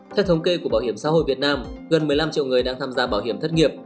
theo thống kê của bảo hiểm xã hội việt nam gần một mươi năm triệu người đang tham gia bảo hiểm thất nghiệp